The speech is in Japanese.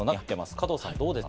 加藤さん。